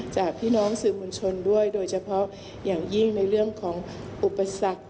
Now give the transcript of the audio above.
จากพี่น้องสื่อมวลชนด้วยโดยเฉพาะอย่างยิ่งในเรื่องของอุปสรรค